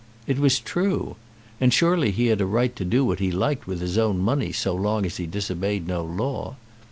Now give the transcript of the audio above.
It was true. And surely he had a right to do what he liked with his own money so long as he disobeyed no law.